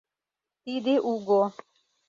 — Тиде Уго...